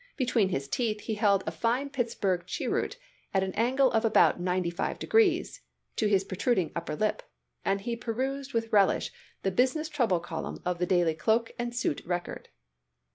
Between his teeth he held a fine Pittsburgh cheroot at an angle of about ninety five degrees to his protruding under lip, and he perused with relish the business trouble column of the Daily Cloak and Suit Record.